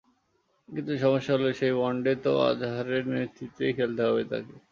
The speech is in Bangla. কিন্তু সমস্যা হলো, সেই ওয়ানডে তো আজহারের নেতৃত্বেই খেলতে হবে তাঁকে।